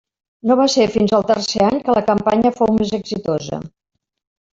No va ser fins al tercer any que la campanya fou més exitosa.